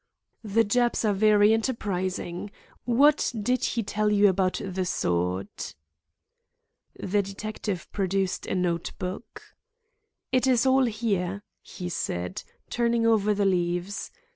"The Japs are very enterprising. What did he tell you about the sword?" The detective produced a note book. "It is all here," he said, turning over the leaves.